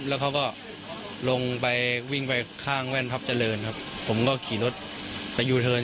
แล้วเขาก็ลงไปวิ่งไปข้างแว่นพับเจริญครับผมก็ขี่รถไปยูเทิร์น